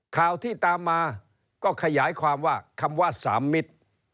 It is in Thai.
ข่าวที่ตามมาก็ขยายความว่าคำว่า๓มิตร